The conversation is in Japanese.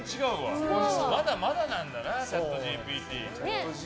まだまだなんだなチャットＧＰＴ。